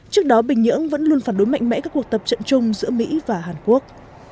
trước đó bình nhưỡng vẫn luôn phản đối mạnh mẽ các cuộc tập trận chung giữa mỹ và hàn quốc